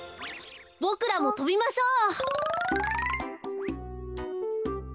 ボクらもとびましょう。